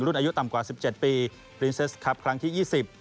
อายุต่ำกว่า๑๗ปีปรินเซสครับครั้งที่๒๐